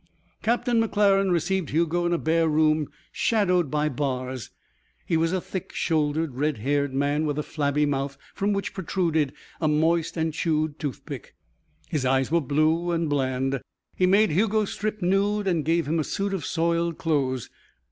Captain McClaren received Hugo in a bare room shadowed by bars. He was a thick shouldered, red haired man with a flabby mouth from which protruded a moist and chewed toothpick. His eyes were blue and bland. He made Hugo strip nude and gave him a suit of soiled clothes.